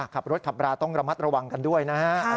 ขับรถขับราต้องระมัดระวังกันด้วยนะฮะ